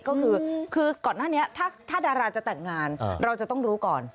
ก็คือก่อนหน้านี้ถ้าดาราจะแต่งงานเราจะต้องรู้ก่อน